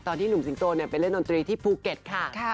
ที่หนุ่มสิงโตไปเล่นดนตรีที่ภูเก็ตค่ะ